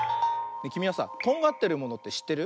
きみはさとんがってるものってしってる？